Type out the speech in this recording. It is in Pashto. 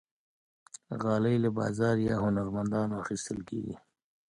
غالۍ له بازار یا هنرمندانو اخیستل کېږي.